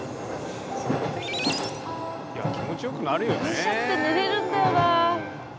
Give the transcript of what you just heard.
電車って寝れるんだよなあ。